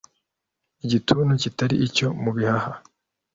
Igituntu kitari icyo mu bihaha